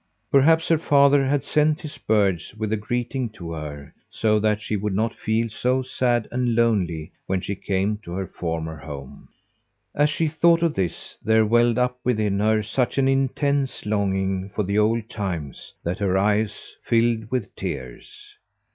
Perhaps her father had sent his birds with a greeting to her, so that she would not feel so sad and lonely when she came to her former home. As she thought of this, there welled up within her such an intense longing for the old times that her eyes filled with tears.